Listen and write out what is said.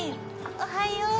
おはよう。